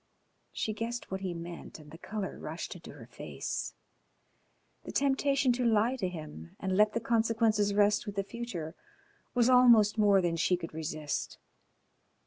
She guessed what he meant and the color rushed into her face. The temptation to lie to him and let the consequences rest with the future was almost more than she could resist.